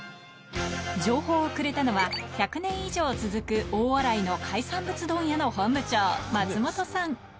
情報をくれたのは、１００年以上続く大洗の海産物問屋の本部長、松本さん。